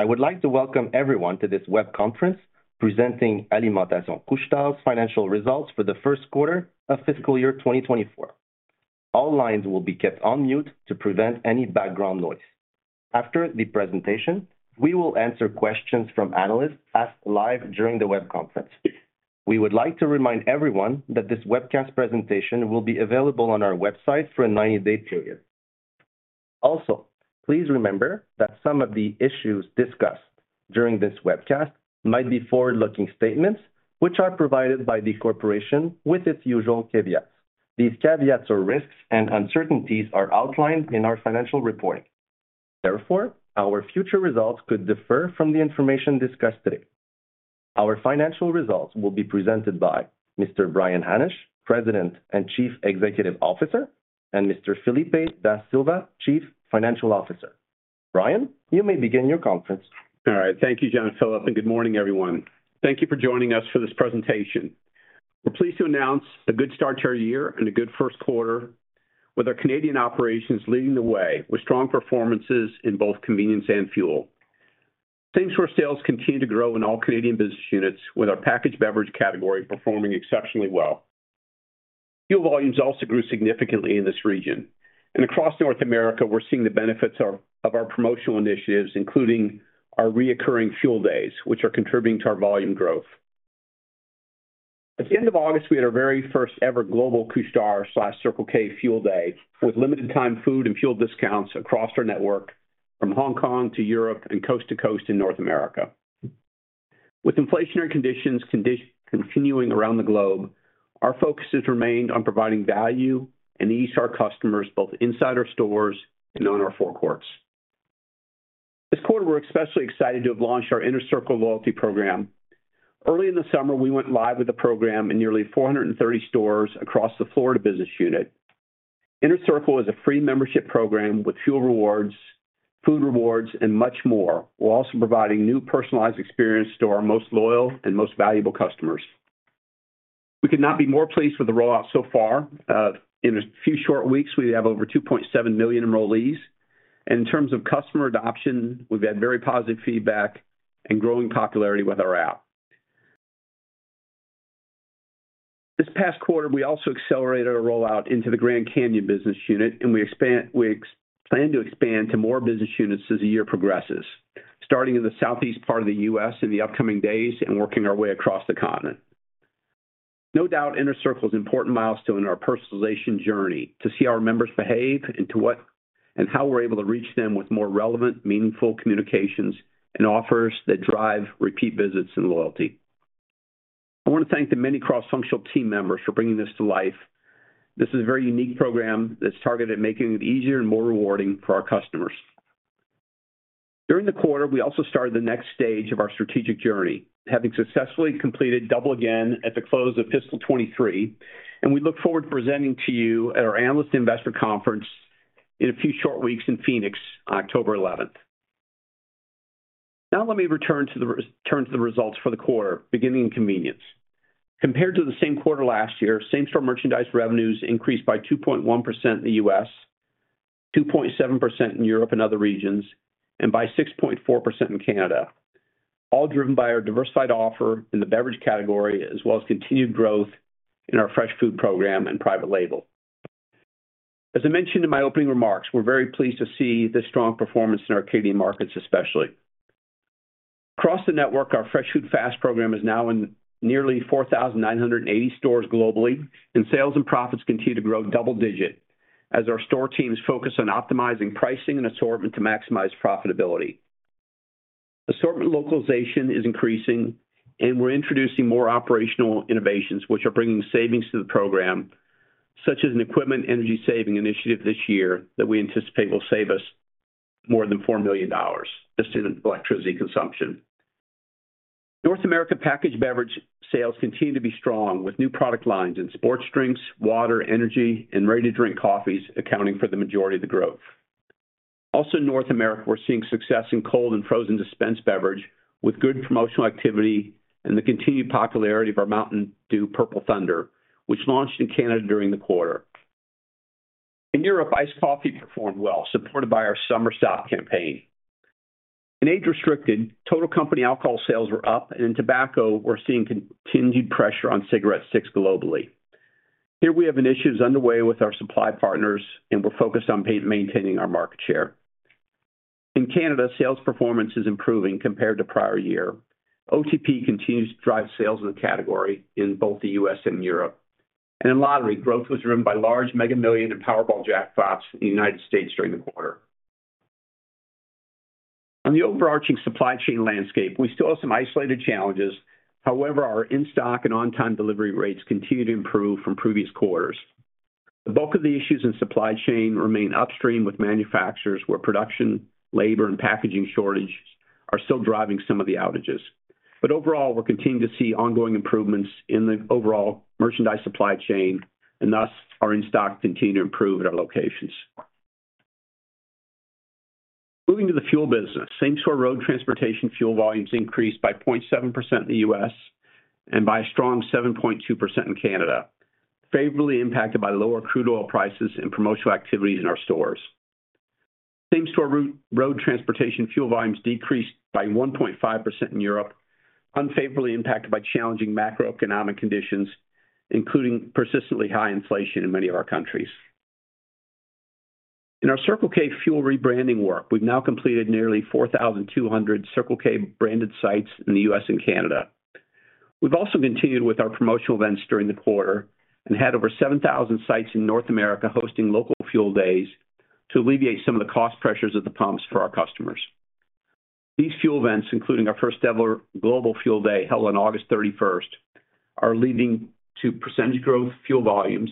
I would like to welcome everyone to this web conference presenting Alimentation Couche-Tard's financial results for the first quarter of fiscal year 2024. All lines will be kept on mute to prevent any background noise. After the presentation, we will answer questions from analysts asked live during the web conference. We would like to remind everyone that this webcast presentation will be available on our website for a 90-day period. Also, please remember that some of the issues discussed during this webcast might be forward-looking statements, which are provided by the corporation with its usual caveats. These caveats or risks and uncertainties are outlined in our financial reporting. Therefore, our future results could differ from the information discussed today. Our financial results will be presented by Mr. Brian Hannasch, President and Chief Executive Officer, and Mr. Filipe Da Silva, Chief Financial Officer. Brian, you may begin your conference. All right. Thank you, Jean-Philippe, and good morning, everyone. Thank you for joining us for this presentation. We're pleased to announce a good start to our year and a good first quarter, with our Canadian operations leading the way, with strong performances in both convenience and fuel. Same-store sales continue to grow in all Canadian business units, with our packaged beverage category performing exceptionally well. Fuel volumes also grew significantly in this region, and across North America, we're seeing the benefits of our promotional initiatives, including our recurring fuel days, which are contributing to our volume growth. At the end of August, we had our very first ever global Couche-Tard/Circle K fuel day, with limited-time food and fuel discounts across our network from Hong Kong to Europe and coast to coast in North America. With inflationary conditions continuing around the globe, our focus has remained on providing value and ease to our customers, both inside our stores and on our forecourts. This quarter, we're especially excited to have launched our Inner Circle loyalty program. Early in the summer, we went live with the program in nearly 430 stores across the Florida business unit. Inner Circle is a free membership program with fuel rewards, food rewards, and much more, while also providing new personalized experience to our most loyal and most valuable customers. We could not be more pleased with the rollout so far. In a few short weeks, we have over 2.7 million enrollees, and in terms of customer adoption, we've had very positive feedback and growing popularity with our app. This past quarter, we also accelerated our rollout into the Grand Canyon business unit, and we plan to expand to more business units as the year progresses, starting in the Southeast part of the U.S. in the upcoming days and working our way across the continent. No doubt, Inner Circle is an important milestone in our personalization journey to see our members behave and to what and how we're able to reach them with more relevant, meaningful communications and offers that drive repeat visits and loyalty. I want to thank the many cross-functional team members for bringing this to life. This is a very unique program that's targeted at making it easier and more rewarding for our customers. During the quarter, we also started the next stage of our strategic journey, having successfully completed Double Again at the close of fiscal 2023, and we look forward to presenting to you at our Analyst and Investor Conference in a few short weeks in Phoenix, October eleventh. Now, let me turn to the results for the quarter, beginning in convenience. Compared to the same quarter last year, same-store merchandise revenues increased by 2.1% in the U.S., 2.7% in Europe and other regions, and by 6.4% in Canada, all driven by our diversified offer in the beverage category, as well as continued growth in our fresh food program and private label. As I mentioned in my opening remarks, we're very pleased to see this strong performance in our Canadian markets, especially. Across the network, our Fresh Food Fast program is now in nearly 4,980 stores globally, and sales and profits continue to grow double-digit as our store teams focus on optimizing pricing and assortment to maximize profitability. Assortment localization is increasing, and we're introducing more operational innovations, which are bringing savings to the program, such as an equipment energy saving initiative this year that we anticipate will save us more than $4 million just in electricity consumption. North America packaged beverage sales continue to be strong, with new product lines in sports drinks, water, energy, and ready-to-drink coffees accounting for the majority of the growth. Also in North America, we're seeing success in cold and frozen dispensed beverage, with good promotional activity and the continued popularity of our Mountain Dew Purple Thunder, which launched in Canada during the quarter. In Europe, iced coffee performed well, supported by our Summer Stop campaign. In age-restricted, total company alcohol sales were up, and in tobacco, we're seeing continued pressure on cigarette sticks globally. Here we have initiatives underway with our supply partners, and we're focused on maintaining our market share. In Canada, sales performance is improving compared to prior year. OTP continues to drive sales in the category in both the U.S. and Europe. And in lottery, growth was driven by large Mega Millions and Powerball jackpots in the United States during the quarter. On the overarching supply chain landscape, we still have some isolated challenges. However, our in-stock and on-time delivery rates continue to improve from previous quarters. The bulk of the issues in supply chain remain upstream with manufacturers, where production, labor, and packaging shortages are still driving some of the outages. But overall, we're continuing to see ongoing improvements in the overall merchandise supply chain and thus our in-stock continue to improve at our locations. Moving to the fuel business, same-store road transportation fuel volumes increased by 0.7% in the U.S. and by a strong 7.2% in Canada, favorably impacted by lower crude oil prices and promotional activity in our stores. Same-store road transportation fuel volumes decreased by 1.5% in Europe, unfavorably impacted by challenging macroeconomic conditions, including persistently high inflation in many of our countries. In our Circle K fuel rebranding work, we've now completed nearly 4,200 Circle K branded sites in the U.S. and Canada. We've also continued with our promotional events during the quarter and had over 7,000 sites in North America hosting local fuel days to alleviate some of the cost pressures at the pumps for our customers. These fuel events, including our first-ever Global Fuel Day, held on August 31st, are leading to percentage growth fuel volumes,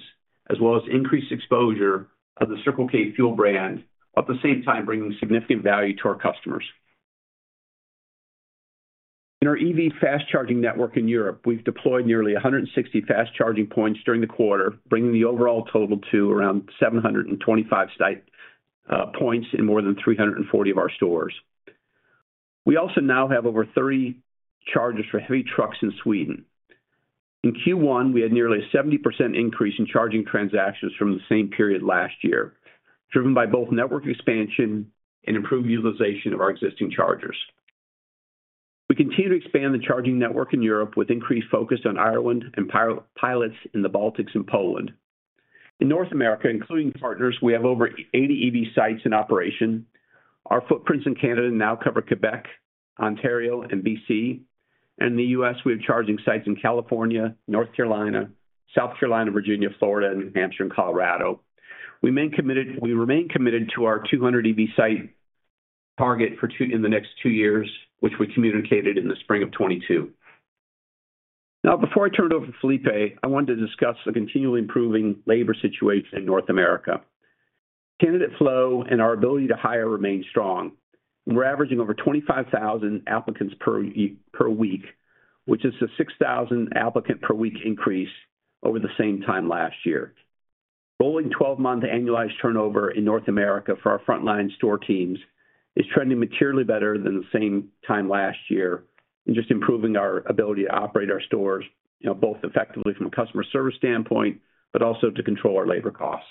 as well as increased exposure of the Circle K fuel brand, at the same time, bringing significant value to our customers. In our EV fast charging network in Europe, we've deployed nearly 160 fast charging points during the quarter, bringing the overall total to around 725 sites, points in more than 340 of our stores. We also now have over 30 chargers for heavy trucks in Sweden. In Q1, we had nearly a 70% increase in charging transactions from the same period last year, driven by both network expansion and improved utilization of our existing chargers. We continue to expand the charging network in Europe with increased focus on Ireland and pilots in the Baltics and Poland. In North America, including partners, we have over 80 EV sites in operation. Our footprints in Canada now cover Quebec, Ontario, and BC. In the US, we have charging sites in California, North Carolina, South Carolina, Virginia, Florida, and New Hampshire, and Colorado. We remain committed to our 200 EV site target in the next two years, which we communicated in the spring of 2022. Now, before I turn it over to Philippe, I wanted to discuss the continually improving labor situation in North America. Candidate flow and our ability to hire remain strong. We're averaging over 25,000 applicants per week, which is a 6,000 applicant per week increase over the same time last year. Rolling 12-month annualized turnover in North America for our frontline store teams is trending materially better than the same time last year, and just improving our ability to operate our stores, you know, both effectively from a customer service standpoint, but also to control our labor costs.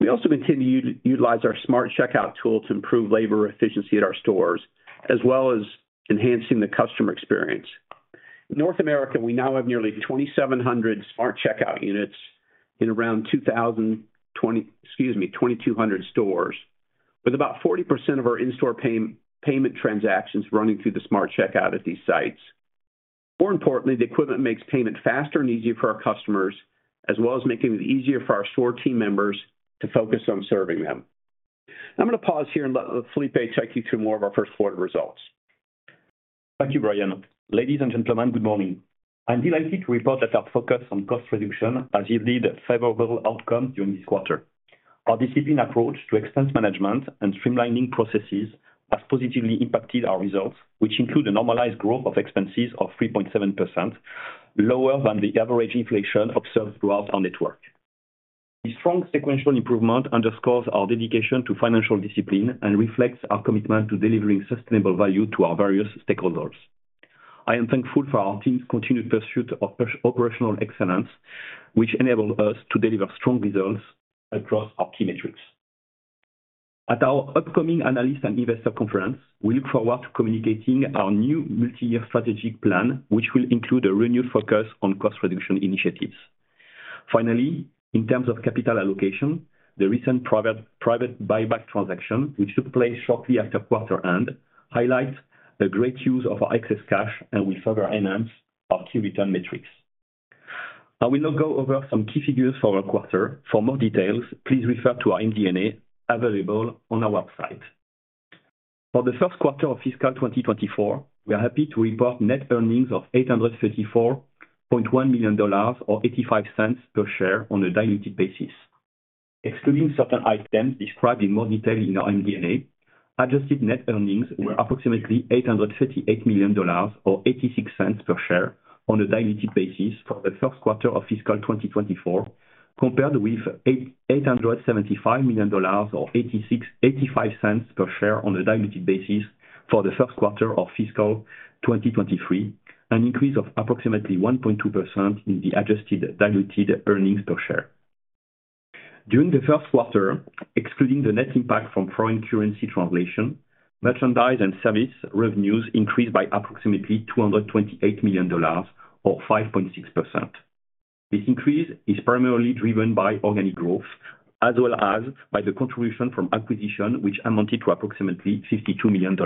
We also continue to utilize our Smart Checkout tool to improve labor efficiency at our stores, as well as enhancing the customer experience. In North America, we now have nearly 2,700 Smart Checkout units in around 2,200 stores, with about 40% of our in-store payment transactions running through the Smart Checkout at these sites. More importantly, the equipment makes payment faster and easier for our customers, as well as making it easier for our store team members to focus on serving them. I'm going to pause here and let Felipe take you through more of our first quarter results. Thank you, Brian. Ladies and gentlemen, good morning. I'm delighted to report that our focus on cost reduction has yielded favorable outcomes during this quarter. Our disciplined approach to expense management and streamlining processes has positively impacted our results, which include a normalized growth of expenses of 3.7%, lower than the average inflation observed throughout our network. The strong sequential improvement underscores our dedication to financial discipline and reflects our commitment to delivering sustainable value to our various stakeholders. I am thankful for our team's continued pursuit of operational excellence, which enabled us to deliver strong results across our key metrics. At our upcoming Analyst and Investor Conference, we look forward to communicating our new multi-year strategic plan, which will include a renewed focus on cost reduction initiatives. Finally, in terms of capital allocation, the recent private buyback transaction, which took place shortly after quarter end, highlights the great use of our excess cash and will further enhance our key return metrics. I will now go over some key figures for our quarter. For more details, please refer to our MD&A, available on our website. For the first quarter of fiscal 2024, we are happy to report net earnings of $834.1 million, or $0.85 per share on a diluted basis. Excluding certain items described in more detail in our MD&A, adjusted net earnings were approximately $838 million, or $0.86 per share on a diluted basis for the first quarter of fiscal 2024, compared with $875 million or $0.85 per share on a diluted basis for the first quarter of fiscal 2023, an increase of approximately 1.2% in the adjusted diluted earnings per share. During the first quarter, excluding the net impact from foreign currency translation, merchandise and service revenues increased by approximately $228 million, or 5.6%. This increase is primarily driven by organic growth, as well as by the contribution from acquisition, which amounted to approximately $52 million.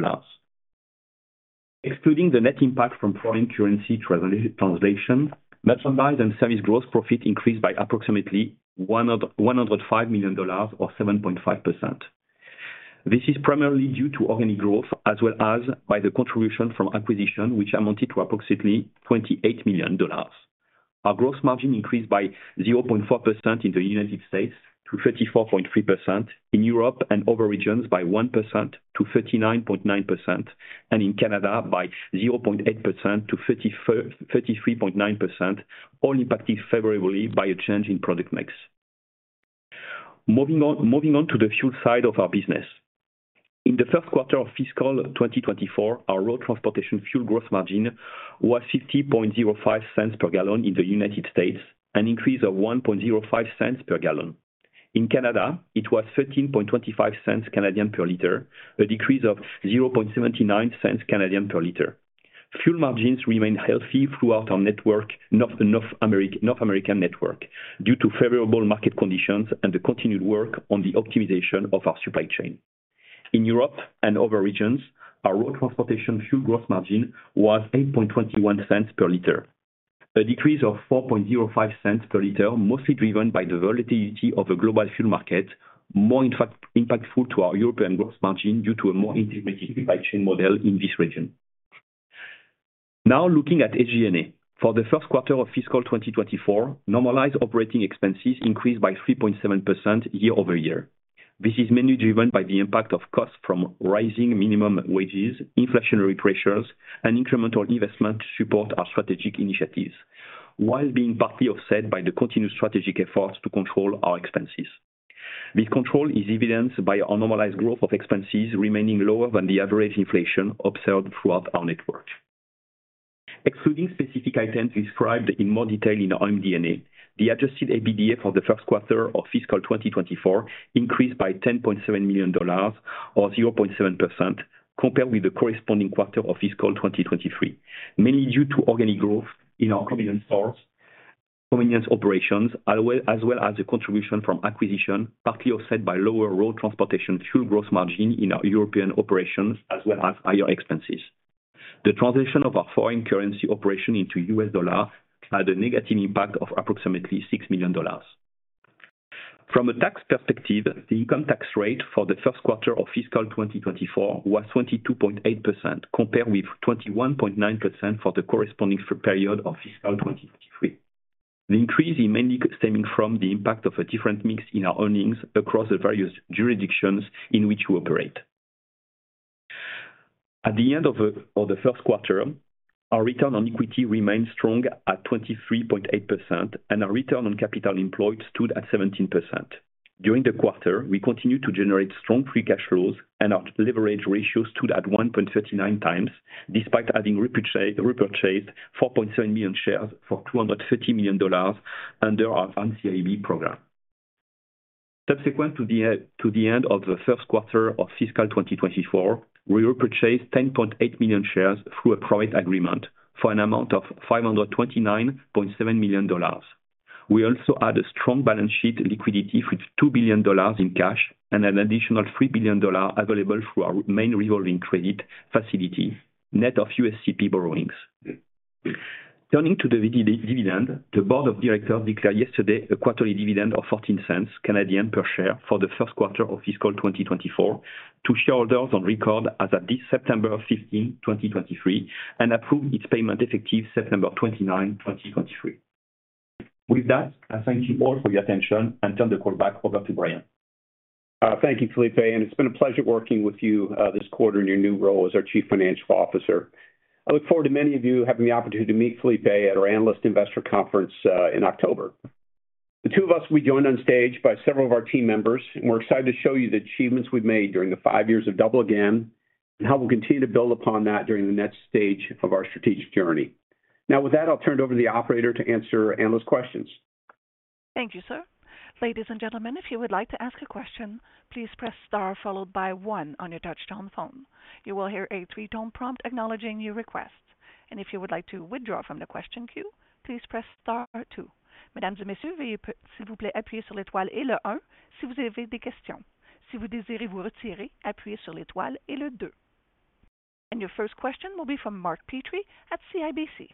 Excluding the net impact from foreign currency translation, merchandise and service gross profit increased by approximately $105 million, or 7.5%. This is primarily due to organic growth, as well as by the contribution from acquisition, which amounted to approximately $28 million. Our gross margin increased by 0.4% in the United States to 34.3%, in Europe and other regions by 1% to 39.9%, and in Canada by 0.8% to 33.9%, all impacted favorably by a change in product mix.... Moving on, moving on to the fuel side of our business. In the first quarter of fiscal 2024, our road transportation fuel gross margin was $0.5005 per gallon in the United States, an increase of $0.0105 per gallon. In Canada, it was 0.1325 per liter, a decrease of 0.0079 per liter. Fuel margins remain healthy throughout our North American network, due to favorable market conditions and the continued work on the optimization of our supply chain. In Europe and other regions, our road transportation fuel gross margin was 0.0821 per liter, a decrease of 0.0405 per liter, mostly driven by the volatility of the global fuel market, more impactful to our European gross margin due to a more integrated supply chain model in this region. Now, looking at SG&A. For the first quarter of fiscal 2024, normalized operating expenses increased by 3.7% year-over-year. This is mainly driven by the impact of costs from rising minimum wages, inflationary pressures, and incremental investment to support our strategic initiatives, while being partly offset by the continued strategic efforts to control our expenses. This control is evidenced by our normalized growth of expenses remaining lower than the average inflation observed throughout our network. Excluding specific items described in more detail in our MD&A, the adjusted EBITDA for the first quarter of fiscal 2024 increased by $10.7 million or 0.7%, compared with the corresponding quarter of fiscal 2023, mainly due to organic growth in our convenience stores, convenience operations, as well, as well as the contribution from acquisition, partly offset by lower road transportation fuel growth margin in our European operations, as well as higher expenses. The translation of our foreign currency operation into US dollar had a negative impact of approximately $6 million. From a tax perspective, the income tax rate for the first quarter of fiscal 2024 was 22.8%, compared with 21.9% for the corresponding period of fiscal 2023. The increase is mainly stemming from the impact of a different mix in our earnings across the various jurisdictions in which we operate. At the end of the first quarter, our return on equity remained strong at 23.8%, and our return on capital employed stood at 17%. During the quarter, we continued to generate strong free cash flows, and our leverage ratio stood at 1.39 times, despite having repurchased 4.7 million shares for $230 million under our advanced NCIB program. Subsequent to the end of the first quarter of fiscal 2024, we repurchased 10.8 million shares through a private agreement for an amount of $529.7 million. We also had a strong balance sheet liquidity with $2 billion in cash and an additional $3 billion available through our main revolving credit facility, net of USCP borrowings. Turning to the dividend, the board of directors declared yesterday a quarterly dividend of 0.14 per share for the first quarter of fiscal 2024 to shareholders on record as of this September 15, 2023, and approved its payment effective September 29, 2023. With that, I thank you all for your attention and turn the call back over to Brian. Thank you, Filipe, and it's been a pleasure working with you, this quarter in your new role as our Chief Financial Officer. I look forward to many of you having the opportunity to meet Felipe at our Analyst Investor Conference, in October. The two of us will be joined on stage by several of our team members, and we're excited to show you the achievements we've made during the five years of Double Again, and how we'll continue to build upon that during the next stage of our strategic journey. Now, with that, I'll turn it over to the operator to answer analyst questions. Thank you, sir. Ladies and gentlemen, if you would like to ask a question, please press star, followed by one on your touch-tone phone. You will hear a three-tone prompt acknowledging your request, and if you would like to withdraw from the question queue, please press star two. Madame Chair, mesdames et messieurs, s'il vous plaît, appuyez sur l'étoile et le un, si vous avez des questions. Si vous désirez vous retirer, appuyez sur l'étoile et le deux. Your first question will be from Mark Petrie at CIBC.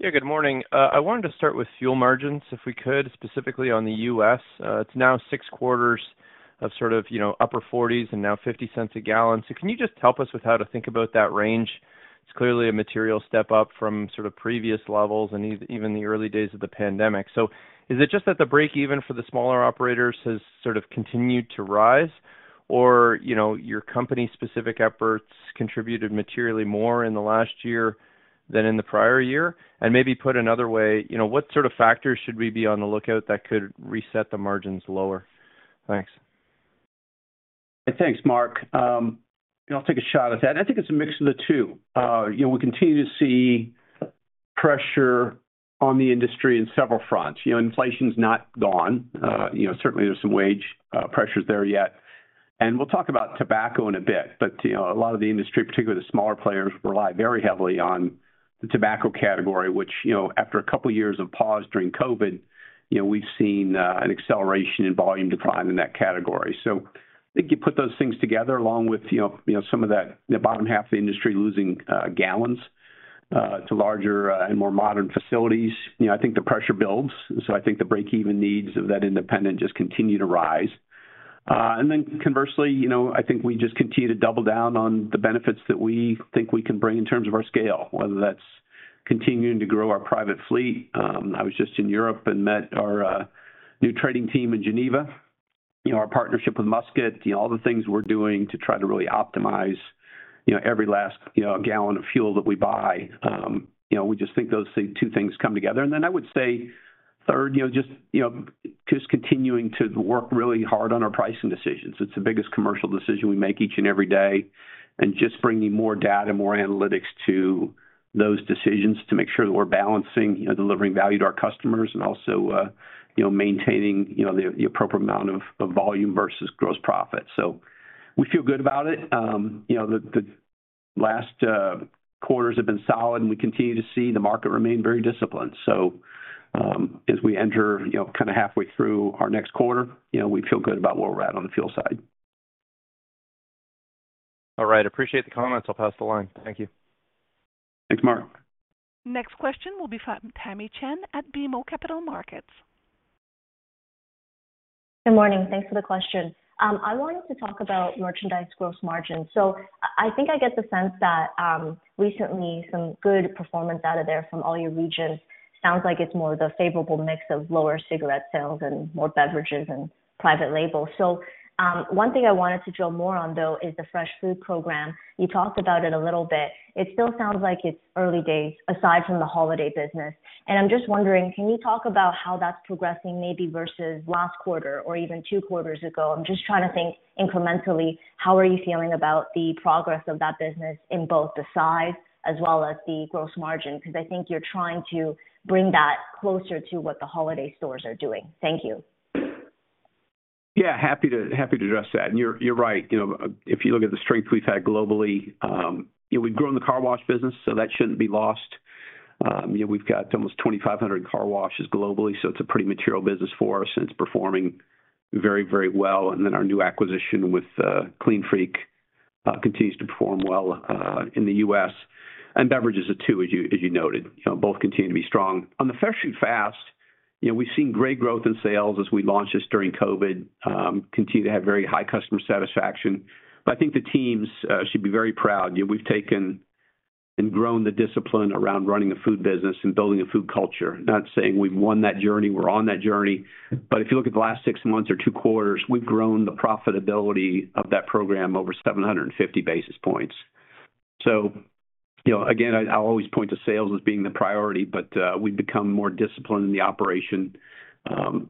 Yeah, good morning. I wanted to start with fuel margins, if we could, specifically on the U.S. It's now six quarters of sort of, you know, upper 40s and now 50 cents a gallon. So can you just help us with how to think about that range? It's clearly a material step up from sort of previous levels and even the early days of the pandemic. So is it just that the break even for the smaller operators has sort of continued to rise or, you know, your company-specific efforts contributed materially more in the last year than in the prior year? And maybe put another way, you know, what sort of factors should we be on the lookout that could reset the margins lower? Thanks. Thanks, Mark. I'll take a shot at that, and I think it's a mix of the two. You know, we continue to see pressure on the industry in several fronts. You know, inflation's not gone. You know, certainly there's some wage pressures there yet, and we'll talk about tobacco in a bit. But, you know, a lot of the industry, particularly the smaller players, rely very heavily on the tobacco category, which, you know, after a couple of years of pause during COVID, you know, we've seen an acceleration in volume decline in that category. So I think you put those things together, along with, you know, you know, some of that, the bottom half of the industry losing gallons to larger and more modern facilities, you know, I think the pressure builds. So I think the break-even needs of that independent just continue to rise. And then conversely, you know, I think we just continue to double down on the benefits that we think we can bring in terms of our scale, whether that's continuing to grow our private fleet. I was just in Europe and met our new trading team in Geneva. You know, our partnership with Musket, you know, all the things we're doing to try to really optimize, you know, every last, you know, gallon of fuel that we buy. You know, we just think those two things come together. And then I would say third, you know, just, you know, just continuing to work really hard on our pricing decisions. It's the biggest commercial decision we make each and every day, and just bringing more data, more analytics to those decisions to make sure that we're balancing, you know, delivering value to our customers and also, you know, maintaining, you know, the appropriate amount of volume versus gross profit. So we feel good about it. You know, the last quarters have been solid, and we continue to see the market remain very disciplined. So, as we enter, you know, kind of halfway through our next quarter, you know, we feel good about where we're at on the fuel side. All right. Appreciate the comments. I'll pass the line. Thank you. Thanks, Mark. Next question will be from Tamy Chen at BMO Capital Markets. Good morning, thanks for the question. I wanted to talk about merchandise gross margin. So I think I get the sense that, recently, some good performance out of there from all your regions. Sounds like it's more of the favorable mix of lower cigarette sales and more beverages and private label. So, one thing I wanted to drill more on, though, is the fresh food program. You talked about it a little bit. It still sounds like it's early days, aside from the holiday business. And I'm just wondering, can you talk about how that's progressing, maybe versus last quarter or even two quarters ago? I'm just trying to think incrementally, how are you feeling about the progress of that business in both the size as well as the gross margin? Because I think you're trying to bring that closer to what the Holiday stores are doing. Thank you. Yeah, happy to, happy to address that. You're right. You know, if you look at the strength we've had globally, you know, we've grown the car wash business, so that shouldn't be lost. You know, we've got almost 2,500 car washes globally, so it's a pretty material business for us, and it's performing very, very well. Then our new acquisition with Clean Freak continues to perform well in the U.S. And beverages are, too, as you, as you noted. You know, both continue to be strong. On the Fresh Food Fast, you know, we've seen great growth in sales as we launched this during COVID, continue to have very high customer satisfaction. But I think the teams should be very proud. You know, we've taken and grown the discipline around running a food business and building a food culture. Not saying we've won that journey, we're on that journey. But if you look at the last six months or two quarters, we've grown the profitability of that program over 750 basis points. So, you know, again, I'll always point to sales as being the priority, but, we've become more disciplined in the operation.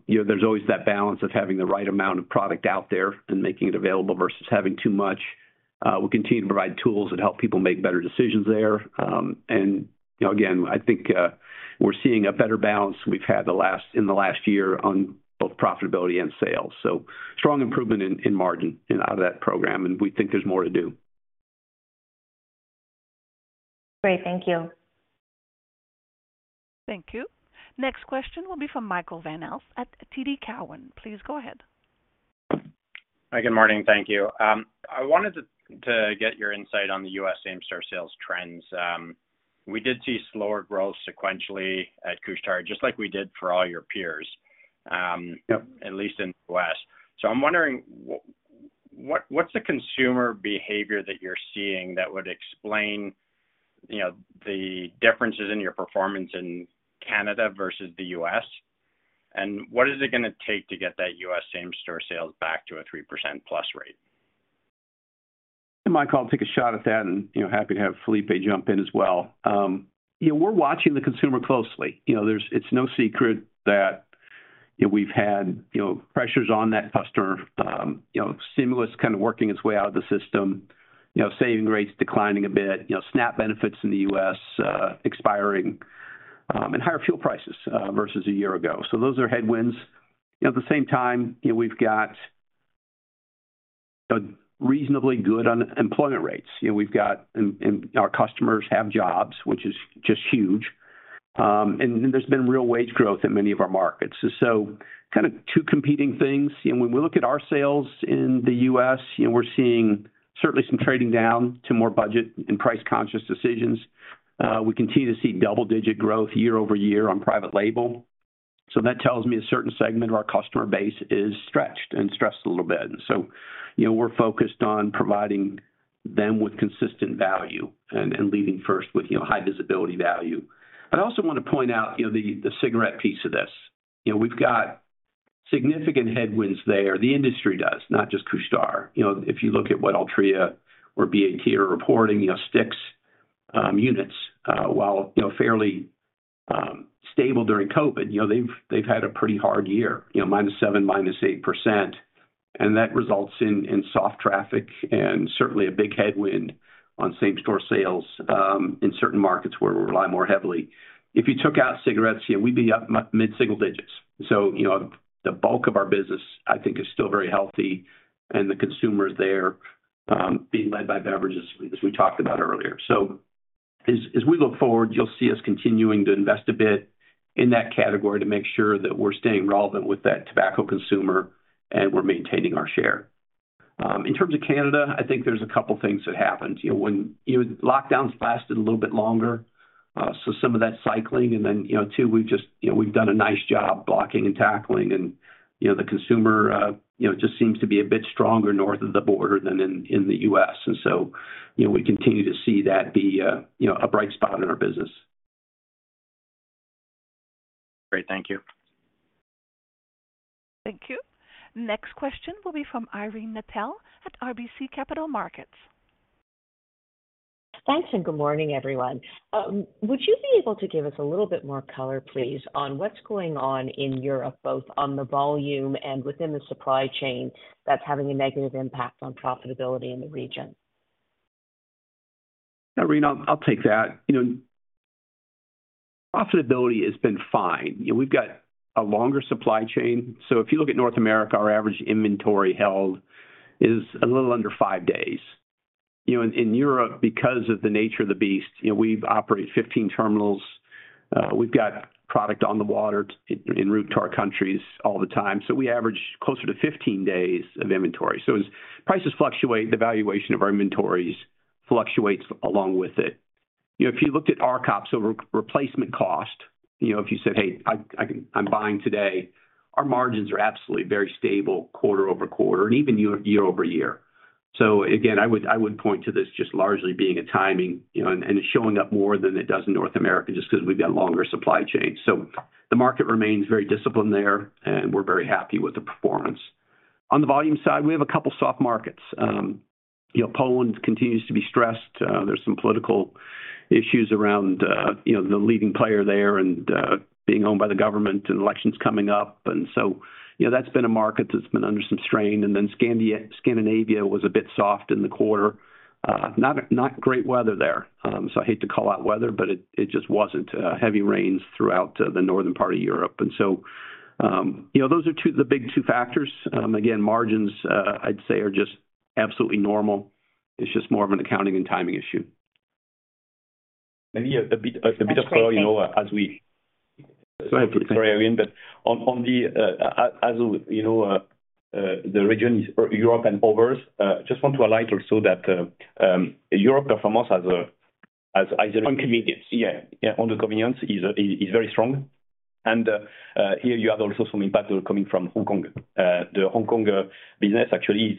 You know, there's always that balance of having the right amount of product out there and making it available versus having too much. We continue to provide tools that help people make better decisions there. And, you know, again, I think, we're seeing a better balance we've had the last-- in the last year on both profitability and sales. So strong improvement in margin out of that program, and we think there's more to do. Great. Thank you. Thank you. Next question will be from Michael Van Aelst at TD Cowen. Please go ahead. Hi, good morning. Thank you. I wanted to get your insight on the U.S. same-store sales trends. We did see slower growth sequentially at Couche-Tard, just like we did for all your peers. Yep. At least in the West. So I'm wondering, what, what's the consumer behavior that you're seeing that would explain, you know, the differences in your performance in Canada versus the U.S.? And what is it gonna take to get that U.S. same-store sales back to a 3%+ rate? Michael, I'll take a shot at that and, you know, happy to have Felipe jump in as well. You know, we're watching the consumer closely. You know, there's—it's no secret that, you know, we've had, you know, pressures on that customer. You know, stimulus kind of working its way out of the system, you know, saving rates declining a bit, you know, SNAP benefits in the U.S., expiring, and higher fuel prices versus a year ago. So those are headwinds. At the same time, you know, we've got reasonably good unemployment rates. You know, we've got and our customers have jobs, which is just huge. And there's been real wage growth in many of our markets. So kind of two competing things. When we look at our sales in the U.S., you know, we're seeing certainly some trading down to more budget and price-conscious decisions. We continue to see double-digit growth year-over-year on private label. So that tells me a certain segment of our customer base is stretched and stressed a little bit. So you know, we're focused on providing them with consistent value and, and leading first with, you know, high visibility value. I also want to point out, you know, the, the cigarette piece of this. You know, we've got significant headwinds there. The industry does, not just Couche-Tard. You know, if you look at what Altria or BAT are reporting, you know, sticks, units, while, you know, fairly, stable during COVID, you know, they've, they've had a pretty hard year, you know, -7%-8%, and that results in, in soft traffic and certainly a big headwind on same-store sales, in certain markets where we rely more heavily. If you took out cigarettes, you know, we'd be up mid-single digits. So, you know, the bulk of our business, I think, is still very healthy, and the consumer is there, being led by beverages, as we talked about earlier. So as, as we look forward, you'll see us continuing to invest a bit in that category to make sure that we're staying relevant with that tobacco consumer and we're maintaining our share. In terms of Canada, I think there's a couple things that happened. You know, when lockdowns lasted a little bit longer, so some of that cycling, and then, you know, two, we've just, you know, we've done a nice job blocking and tackling and, you know, the consumer just seems to be a bit stronger north of the border than in the U.S. And so, you know, we continue to see that be a bright spot in our business.... Great. Thank you. Thank you. Next question will be from Irene Nattel at RBC Capital Markets. Thanks, and good morning, everyone. Would you be able to give us a little bit more color, please, on what's going on in Europe, both on the volume and within the supply chain, that's having a negative impact on profitability in the region? Yeah, Irene, I'll take that. You know, profitability has been fine. You know, we've got a longer supply chain. So if you look at North America, our average inventory held is a little under five days. You know, in Europe, because of the nature of the beast, you know, we've operated 15 terminals. We've got product on the water, in route to our countries all the time. So we average closer to 15 days of inventory. So as prices fluctuate, the valuation of our inventories fluctuates along with it. You know, if you looked at RCOPs, so replacement cost, you know, if you said, "Hey, I, I'm buying today," our margins are absolutely very stable quarter over quarter and even year over year. So again, I would point to this just largely being a timing, you know, and it's showing up more than it does in North America just 'cause we've got longer supply chain. So the market remains very disciplined there, and we're very happy with the performance. On the volume side, we have a couple soft markets. You know, Poland continues to be stressed. There's some political issues around, you know, the leading player there and being owned by the government, and elections coming up. And so, you know, that's been a market that's been under some strain. And then Scandinavia was a bit soft in the quarter. Not great weather there. So I hate to call out weather, but it just wasn't heavy rains throughout the northern part of Europe. So, you know, those are two... the big two factors. Again, margins, I'd say, are just absolutely normal. It's just more of an accounting and timing issue. Maybe a bit, a bit of color, you know, as we- Great. Thank- Go ahead, please. Sorry, Irene, but on the, as you know, the region is Europe and others, just want to highlight also that, Europe performance as a, On convenience. Yeah, yeah, on the convenience is very strong. And here you have also some impact coming from Hong Kong. The Hong Kong business actually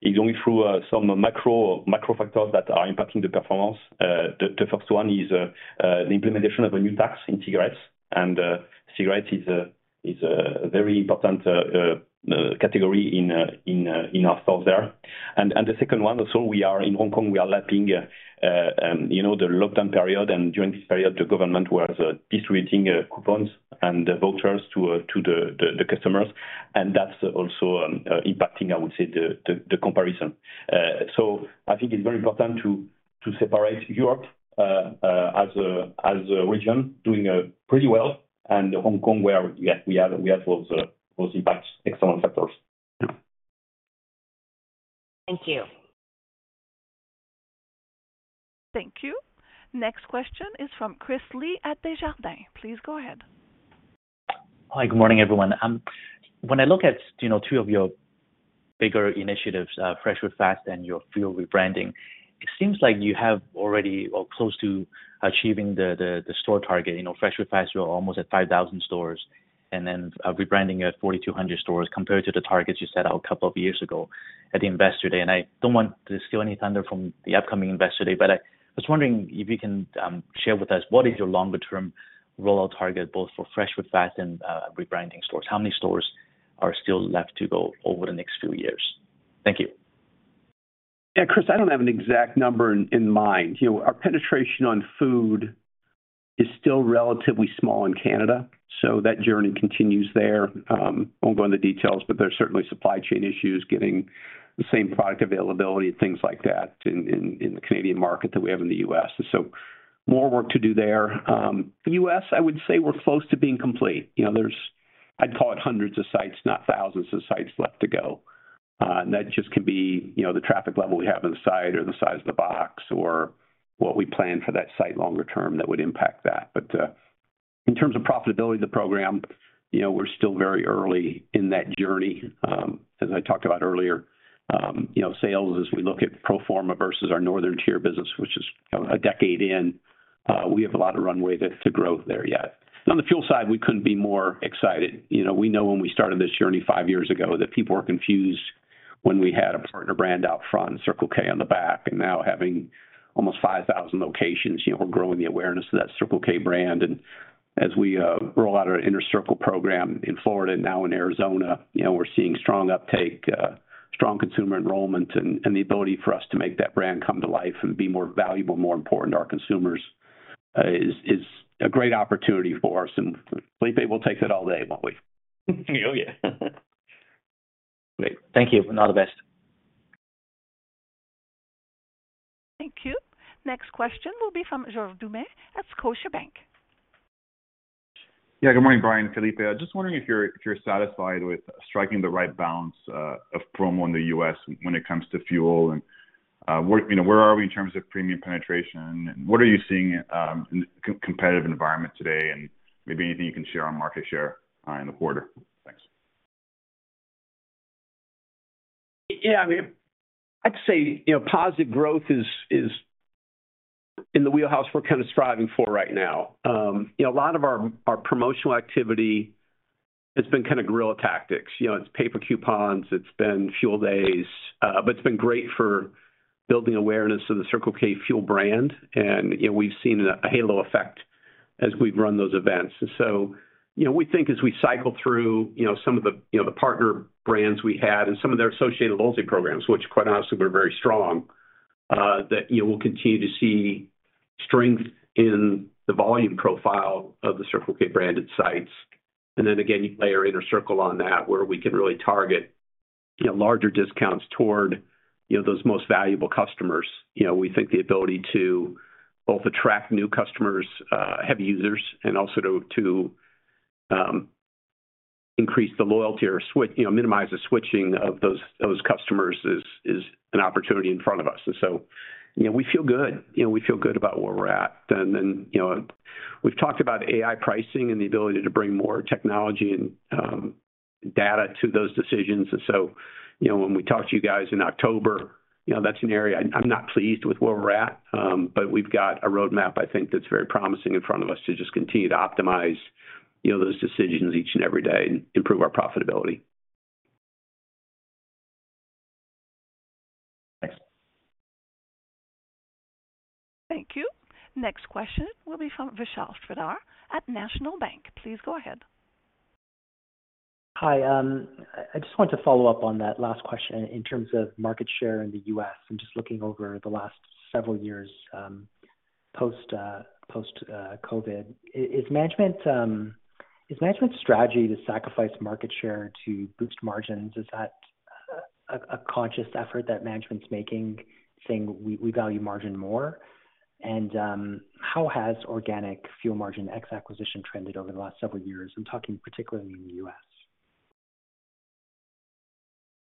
is going through some macro factors that are impacting the performance. The first one is the implementation of a new tax in cigarettes, and cigarettes is a very important category in our store there. And the second one also, we are in Hong Kong, we are lapping, you know, the lockdown period, and during this period, the government was distributing coupons and vouchers to the customers, and that's also impacting, I would say, the comparison. So I think it's very important to separate Europe as a region doing pretty well, and Hong Kong, where we have those impacts, external factors. Thank you. Thank you. Next question is from Chris Li at Desjardins. Please go ahead. Hi, good morning, everyone. When I look at, you know, two of your bigger initiatives, Fresh Food Fast and your fuel rebranding, it seems like you have already or close to achieving the store target. You know, Fresh Food Fast, you're almost at 5,000 stores, and then a rebranding at 4,200 stores compared to the targets you set out a couple of years ago at the Investor Day. And I don't want to steal any thunder from the upcoming Investor Day, but I was wondering if you can share with us what is your longer term rollout target, both for Fresh Food Fast and rebranding stores? How many stores are still left to go over the next few years? Thank you. Yeah, Chris, I don't have an exact number in mind. You know, our penetration on food is still relatively small in Canada, so that journey continues there. I won't go into details, but there are certainly supply chain issues, getting the same product availability and things like that in the Canadian market that we have in the U.S. So more work to do there. U.S., I would say we're close to being complete. You know, there's. I'd call it hundreds of sites, not thousands of sites left to go. That just could be, you know, the traffic level we have in the site or the size of the box or what we plan for that site longer term that would impact that. But, in terms of profitability of the program, you know, we're still very early in that journey. As I talked about earlier, you know, sales, as we look at pro forma versus our Torthern Tier business, which is a decade in, we have a lot of runway to grow there yet. On the fuel side, we couldn't be more excited. You know, we know when we started this journey 5 years ago, that people were confused when we had a partner brand out front, Circle K on the back, and now having almost 5,000 locations, you know, we're growing the awareness of that Circle K brand. And as we roll out our Inner Circle program in Florida and now in Arizona, you know, we're seeing strong uptake, strong consumer enrollment, and the ability for us to make that brand come to life and be more valuable, more important to our consumers, is a great opportunity for us. Felipe will take it all day, won't we? Oh, yeah. Great. Thank you. All the best. Thank you. Next question will be from George Doumet at Scotiabank. Yeah. Good morning, Brian, Felipe. I'm just wondering if you're, if you're satisfied with striking the right balance of promo in the U.S. when it comes to fuel? And where, you know, where are we in terms of premium penetration, and what are you seeing in competitive environment today? And maybe anything you can share on market share in the quarter? Thanks. Yeah, I mean, I'd say, you know, positive growth is in the wheelhouse we're kind of striving for right now. You know, a lot of our promotional activity. It's been kind of guerrilla tactics. You know, it's paper coupons, it's been fuel days, but it's been great for building awareness of the Circle K fuel brand, and, you know, we've seen a halo effect as we've run those events. And so, you know, we think as we cycle through, you know, some of the, you know, the partner brands we had and some of their associated loyalty programs, which quite honestly, were very strong, that you will continue to see strength in the volume profile of the Circle K branded sites. And then again, you layer Inner Circle on that, where we can really target, you know, larger discounts toward, you know, those most valuable customers. You know, we think the ability to both attract new customers, heavy users, and also to increase the loyalty or switch—you know, minimize the switching of those customers is an opportunity in front of us. And so, you know, we feel good. You know, we feel good about where we're at. Then, you know, we've talked about AI pricing and the ability to bring more technology and data to those decisions. So, you know, when we talk to you guys in October, you know, that's an area I'm not pleased with where we're at, but we've got a roadmap, I think, that's very promising in front of us to just continue to optimize, you know, those decisions each and every day and improve our profitability. Thanks. Thank you. Next question will be from Vishal Shreedhar at National Bank. Please go ahead. Hi. I just wanted to follow up on that last question in terms of market share in the U.S. and just looking over the last several years, post-COVID. Is management's strategy to sacrifice market share to boost margins a conscious effort that management's making, saying, "We value margin more"? And, how has organic fuel margin ex-acquisition trended over the last several years? I'm talking particularly in the U.S.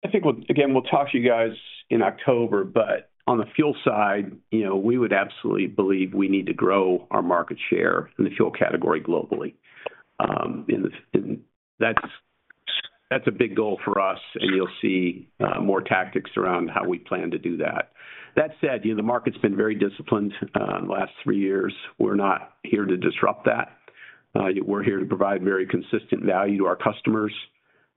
I think, again, we'll talk to you guys in October, but on the fuel side, you know, we would absolutely believe we need to grow our market share in the fuel category globally. And that's a big goal for us, and you'll see more tactics around how we plan to do that. That said, you know, the market's been very disciplined last three years. We're not here to disrupt that. We're here to provide very consistent value to our customers.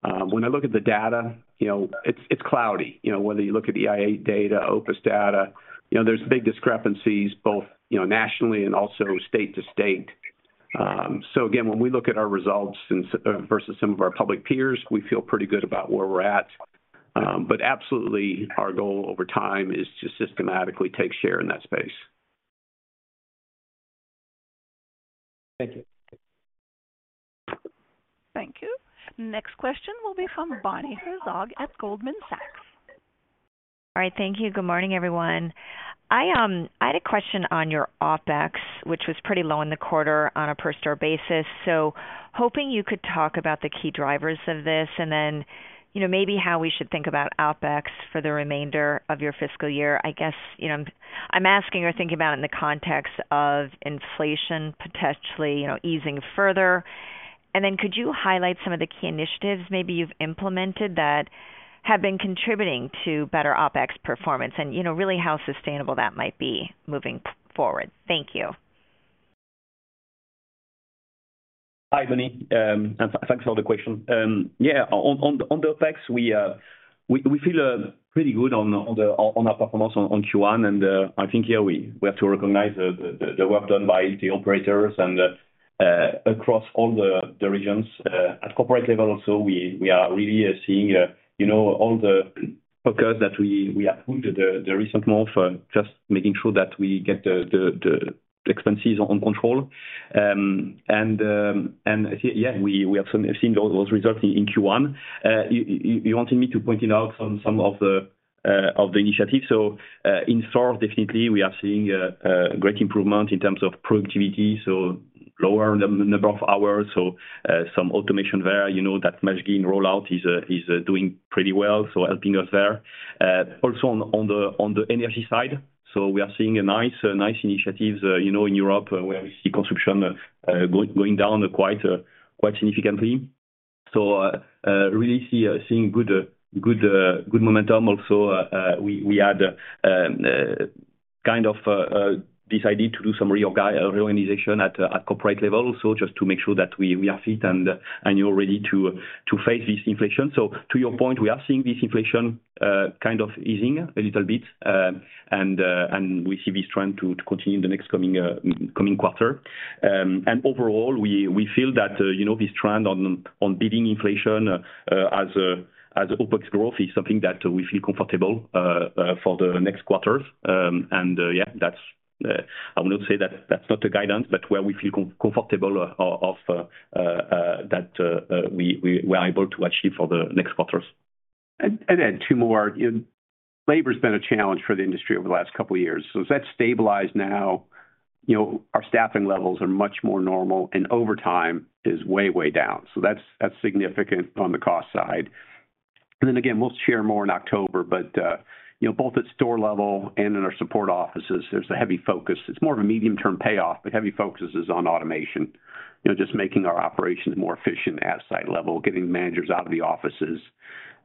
When I look at the data, you know, it's cloudy. You know, whether you look at the EIA data, OPIS data, you know, there's big discrepancies, both nationally and also state to state. So again, when we look at our results and versus some of our public peers, we feel pretty good about where we're at. Absolutely, our goal over time is to systematically take share in that space. Thank you. Thank you. Next question will be from Bonnie Herzog at Goldman Sachs. All right. Thank you. Good morning, everyone. I, I had a question on your OpEx, which was pretty low in the quarter on a per store basis. So hoping you could talk about the key drivers of this, and then, you know, maybe how we should think about OpEx for the remainder of your fiscal year. I guess, you know, I'm asking or thinking about in the context of inflation potentially, you know, easing further. And then could you highlight some of the key initiatives maybe you've implemented that have been contributing to better OpEx performance, and, you know, really how sustainable that might be moving forward? Thank you. Hi, Bonnie, and thanks for the question. Yeah, on the OpEx, we feel pretty good on our performance on Q1, and I think, yeah, we have to recognize the work done by the operators and across all the regions. At corporate level also, we are really seeing you know all the focus that we applied in the recent months for just making sure that we get the expenses under control. Yeah, we have seen those results in Q1. You wanted me to point out some of the initiatives. So, in-store, definitely we are seeing a great improvement in terms of productivity, so lower number of hours, so some automation there, you know, that Mashgin rollout is doing pretty well, so helping us there. Also on the energy side, so we are seeing nice initiatives, you know, in Europe, where we see consumption going down quite significantly. So, really seeing good momentum. Also, we had kind of decided to do some reorganization at corporate level, so just to make sure that we are fit and you're ready to face this inflation. So to your point, we are seeing this inflation kind of easing a little bit, and we see this trend to continue in the next coming quarter. And overall, we feel that, you know, this trend on beating inflation as OpEx growth is something that we feel comfortable for the next quarters. And yeah, that's. I will not say that that's not a guidance, but where we feel comfortable of that we are able to achieve for the next quarters. And add two more. Labor's been a challenge for the industry over the last couple of years. So as that stabilized now, you know, our staffing levels are much more normal and overtime is way, way down. So that's, that's significant on the cost side. And then again, we'll share more in October, but, you know, both at store level and in our support offices, there's a heavy focus. It's more of a medium-term payoff, but heavy focus is on automation, you know, just making our operations more efficient at site level, getting managers out of the offices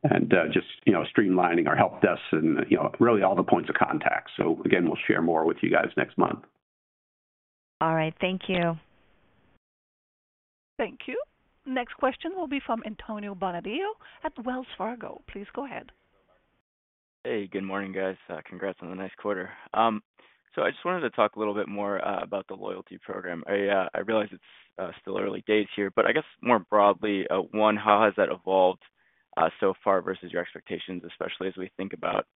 and, just, you know, streamlining our help desks and, you know, really all the points of contact. So again, we'll share more with you guys next month. All right, thank you. Thank you. Next question will be from Anthony Bonadio at Wells Fargo. Please go ahead. Hey, good morning, guys. Congrats on the nice quarter. So I just wanted to talk a little bit more about the loyalty program. I realize it's still early days here, but I guess more broadly, one, how has that evolved so far versus your expectations, especially as we think about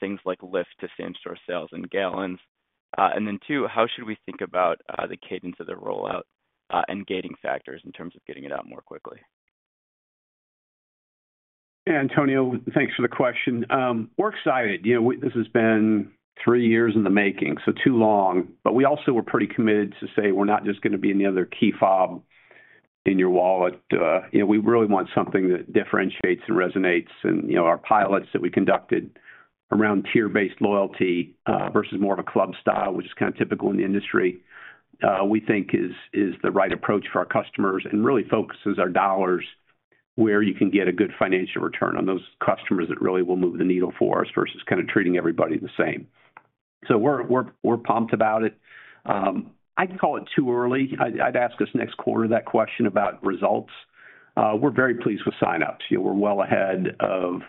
things like lift to same-store sales and gallons? And then, two, how should we think about the cadence of the rollout and gating factors in terms of getting it out more quickly? Hey, Antonio, thanks for the question. We're excited. You know, this has been three years in the making, so too long, but we also were pretty committed to say we're not just gonna be any other key fob in your wallet. You know, we really want something that differentiates and resonates. And, you know, our pilots that we conducted around tier-based loyalty versus more of a club style, which is kind of typical in the industry, we think is the right approach for our customers and really focuses our dollars where you can get a good financial return on those customers that really will move the needle for us versus kind of treating everybody the same. So we're pumped about it. I'd call it too early. I'd ask us next quarter that question about results. We're very pleased with signups. You know, we're well ahead of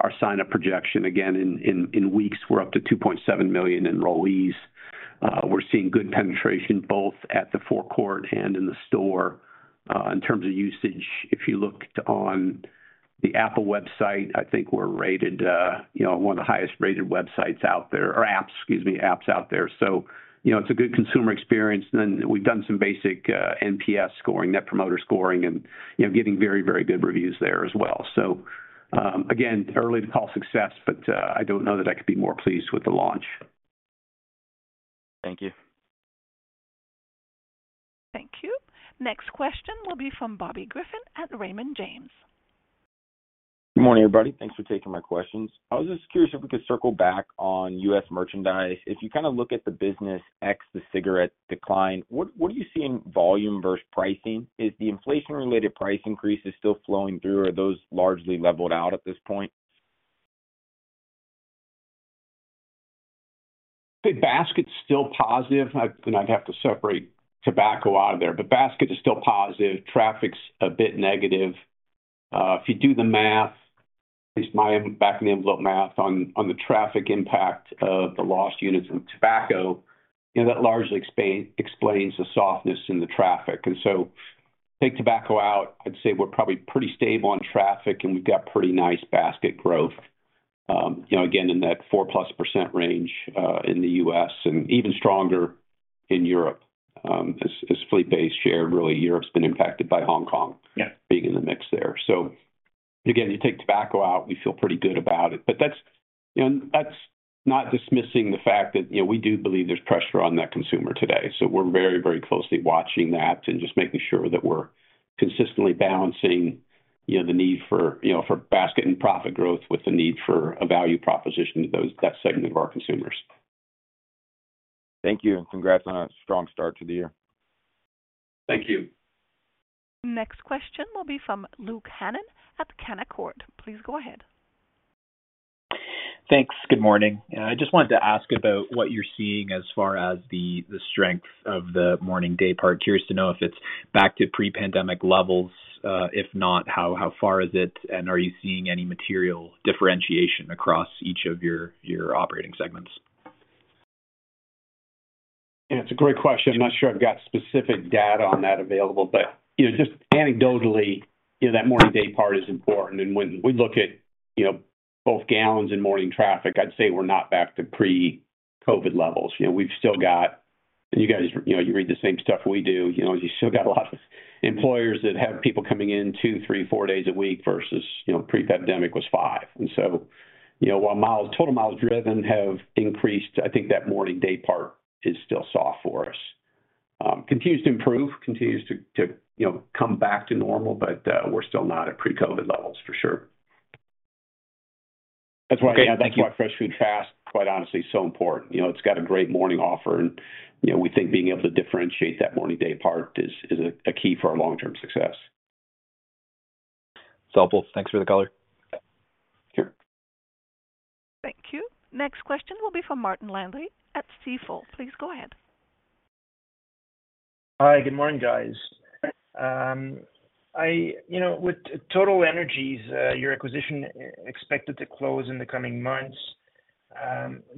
our signup projection. Again, in weeks, we're up to 2.7 million enrollees. We're seeing good penetration both at the forecourt and in the store. In terms of usage, if you looked on the Apple website, I think we're rated, you know, one of the highest-rated websites out there, or apps, excuse me, apps out there. So, you know, it's a good consumer experience. Then we've done some basic, NPS scoring, Net Promoter Scoring, and, you know, getting very, very good reviews there as well. So, again, early to call success, but, I don't know that I could be more pleased with the launch. Thank you. Thank you. Next question will be from Bobby Griffin at Raymond James. Good morning, everybody. Thanks for taking my questions. I was just curious if we could circle back on U.S. merchandise. If you kind of look at the business ex the cigarette decline, what are you seeing volume versus pricing? Is the inflation-related price increases still flowing through, or are those largely leveled out at this point? The basket's still positive. I'd have to separate tobacco out of there, but basket is still positive. Traffic's a bit negative. If you do the math, at least my back-of-the-envelope math on the traffic impact of the lost units of tobacco, you know, that largely explains the softness in the traffic. And so take tobacco out, I'd say we're probably pretty stable on traffic, and we've got pretty nice basket growth, you know, again, in that 4%+ range, in the U.S. and even stronger in Europe, as fleet-based share, really, Europe's been impacted by Hong Kong- Yeah Being in the mix there. So again, you take tobacco out, we feel pretty good about it. But that's, you know, that's not dismissing the fact that, you know, we do believe there's pressure on that consumer today. So we're very, very closely watching that and just making sure that we're consistently balancing, you know, the need for, you know, for basket and profit growth with the need for a value proposition to those, that segment of our consumers. Thank you, and congrats on a strong start to the year. Thank you. Next question will be from Luke Hannan at Canaccord. Please go ahead. Thanks. Good morning. I just wanted to ask about what you're seeing as far as the strength of the morning daypart. Curious to know if it's back to pre-pandemic levels. If not, how far is it? And are you seeing any material differentiation across each of your operating segments? Yeah, it's a great question. I'm not sure I've got specific data on that available, but, you know, just anecdotally, you know, that morning daypart is important. And when we look at, you know, both gallons and morning traffic, I'd say we're not back to pre-COVID levels. You know, we've still got... and you guys, you know, you read the same stuff we do. You know, you still got a lot of employers that have people coming in two, three, four days a week versus, you know, pre-pandemic was five. And so, you know, while miles, total miles driven have increased, I think that morning daypart is still soft for us. Continues to improve, continues to, to, you know, come back to normal, but, we're still not at pre-COVID levels for sure. That's why- Okay, thank you. That's why Fresh Food Fast, quite honestly, is so important. You know, it's got a great morning offer, and, you know, we think being able to differentiate that morning daypart is a key for our long-term success. It's helpful. Thanks for the color. Sure. Thank you. Next question will be from Martin Landry at Stifel. Please go ahead. Hi, good morning, guys. You know, with TotalEnergies, your acquisition expected to close in the coming months,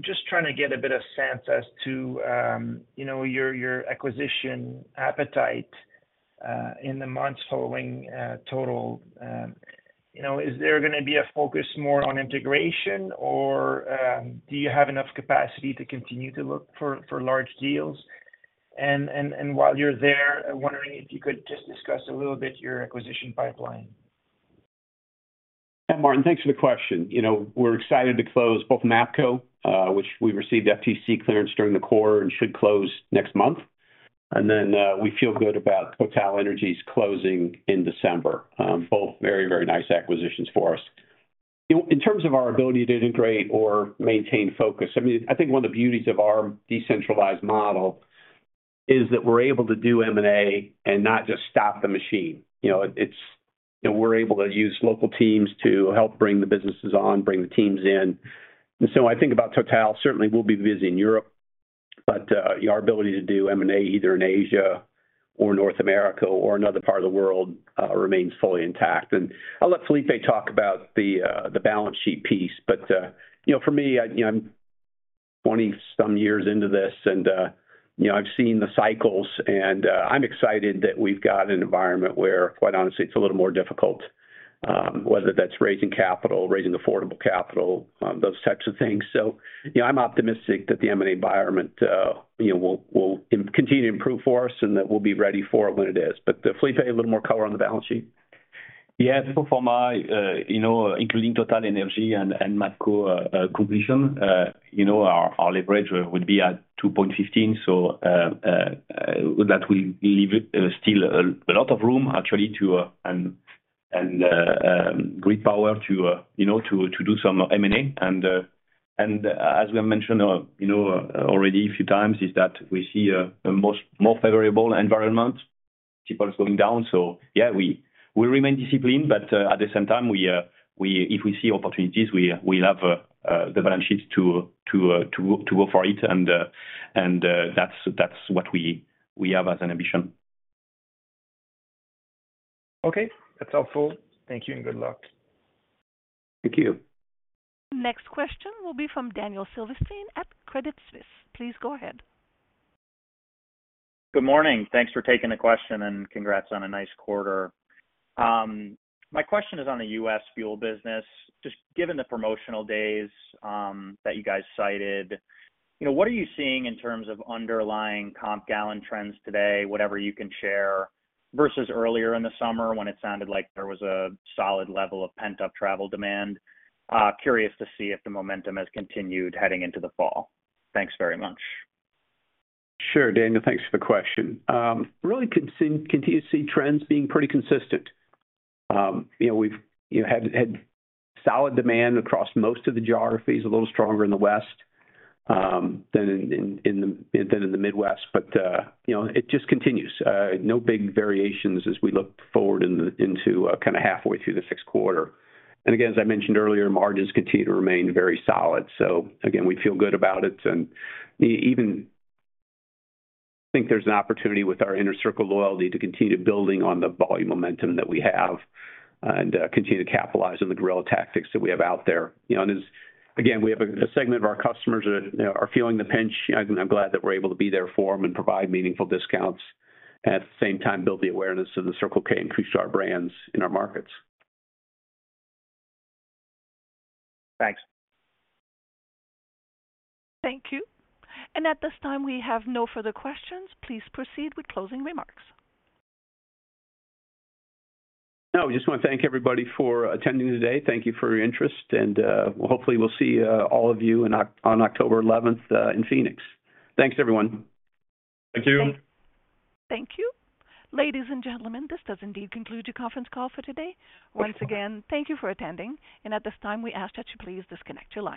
just trying to get a bit of sense as to, you know, your, your acquisition appetite, in the months following, Total. You know, is there gonna be a focus more on integration, or, do you have enough capacity to continue to look for, for large deals? And while you're there, I'm wondering if you could just discuss a little bit your acquisition pipeline. Hey, Martin, thanks for the question. You know, we're excited to close both MAPCO, which we received FTC clearance during the quarter and should close next month, and then we feel good about TotalEnergies closing in December. Both very, very nice acquisitions for us. In terms of our ability to integrate or maintain focus, I mean, I think one of the beauties of our decentralized model is that we're able to do M&A and not just stop the machine. You know, it's. And we're able to use local teams to help bring the businesses on, bring the teams in. And so I think about Total, certainly we'll be busy in Europe, but our ability to do M&A, either in Asia or North America or another part of the world, remains fully intact. I'll let Filipe talk about the balance sheet piece, but you know, for me, you know, I'm 20-some years into this and you know, I've seen the cycles, and I'm excited that we've got an environment where, quite honestly, it's a little more difficult, whether that's raising capital, raising affordable capital, those types of things. So, you know, I'm optimistic that the M&A environment, you know, will continue to improve for us and that we'll be ready for it when it is. But Felipe, a little more color on the balance sheet? Yeah. So for my, you know, including TotalEnergies and MAPCO completion, you know, our leverage would be at 2.15. So that will leave it still a lot of room, actually, to and great power to, you know, to do some M&A. And as we have mentioned, you know, already a few times, is that we see a much more favorable environment, P/E is going down. So yeah, we remain disciplined, but at the same time, we - if we see opportunities, we have the balance sheet to go for it. And that's what we have as an ambition. Okay, that's helpful. Thank you and good luck. Thank you. Next question will be from Daniel Silverstein at Credit Suisse. Please go ahead. Good morning. Thanks for taking the question, and congrats on a nice quarter. My question is on the U.S. fuel business. Just given the promotional days, that you guys cited, you know, what are you seeing in terms of underlying comp gallon trends today, whatever you can share, versus earlier in the summer when it sounded like there was a solid level of pent-up travel demand? Curious to see if the momentum has continued heading into the fall. Thanks very much. Sure, Daniel, thanks for the question. Really continue to see trends being pretty consistent. You know, we've had solid demand across most of the geographies, a little stronger in the West than in the Midwest. But you know, it just continues. No big variations as we look forward into kind of halfway through the fiscal quarter. And again, as I mentioned earlier, margins continue to remain very solid. So again, we feel good about it, and even think there's an opportunity with our Inner Circle loyalty to continue building on the volume momentum that we have and continue to capitalize on the guerrilla tactics that we have out there. You know, and again, we have a segment of our customers that you know are feeling the pinch. I'm glad that we're able to be there for them and provide meaningful discounts, at the same time, build the awareness of the Circle K and increased our brands in our markets. Thanks. Thank you. At this time, we have no further questions. Please proceed with closing remarks. No, we just want to thank everybody for attending today. Thank you for your interest, and hopefully we'll see all of you on October eleventh in Phoenix. Thanks, everyone. Thank you. Thank you. Ladies and gentlemen, this does indeed conclude the conference call for today. Once again, thank you for attending, and at this time, we ask that you please disconnect your lines.